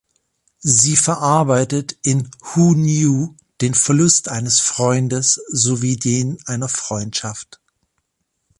Sie verarbeitet in "Who Knew" den Verlust eines Freundes sowie den einer Freundschaft.